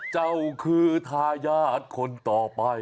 เจ้าคือทายาทคนต่อไป